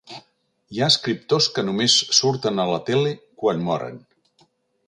Hi ha escriptors que només surten a la tele quan moren.